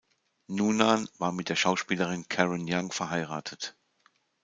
Noonan war mit der Schauspielerin Karen Young verheiratet.